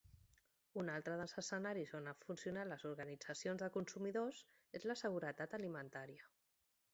Un altre dels escenaris on han funcionat les organitzacions de consumidors és la seguretat alimentària.